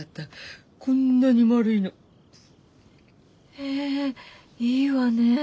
へぇいいわねぇ。